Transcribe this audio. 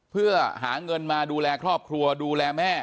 เพื่อหาเงินมาดูแลครอบครัวดูแลแม่